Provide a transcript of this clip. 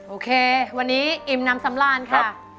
โอเควันนี้อิ่มน้ำสำราญค่ะ